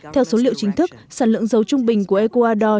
theo số liệu chính thức sản lượng dầu trung bình của ecuador